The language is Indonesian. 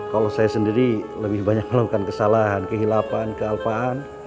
kalau saya sendiri lebih banyak melakukan kesalahan kehilapan kealpaan